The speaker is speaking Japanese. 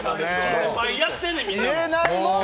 倍やってんねん、みんなの。